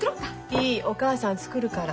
いいお母さん作るから。